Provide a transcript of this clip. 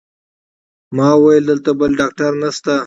ما وویل: دلته بل ډاکټر نشته؟